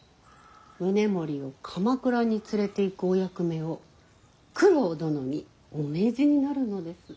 宗盛を鎌倉に連れていくお役目を九郎殿にお命じになるのです。